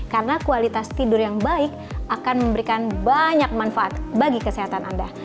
karena kualitas tidur yang baik akan memberikan banyak manfaat bagi kesehatan anda